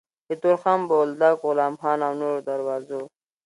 له تورخم، بولدک، غلام خان او نورو دروازو